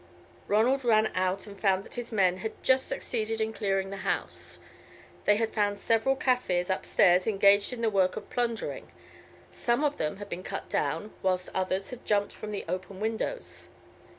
Ronald ran out and found that his men had just succeeded in clearing the house. They had found several Kaffirs upstairs engaged in the work of plundering. Some of them had been cut down, whilst others had jumped from the open windows.